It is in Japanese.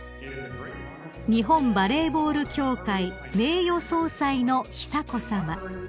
［日本バレーボール協会名誉総裁の久子さま］